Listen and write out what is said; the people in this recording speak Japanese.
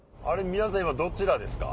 皆さん今どちらですか？